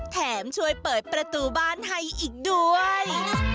แถมช่วยเปิดประตูบ้านให้อีกด้วย